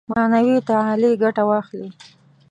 معنوي تعالي ګټه واخلي.